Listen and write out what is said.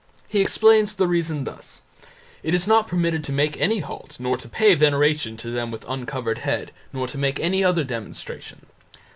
He explains the reason thus: "it is not permitted to make any halt, nor to pay veneration to them with uncovered head, nor to make any other demonstration".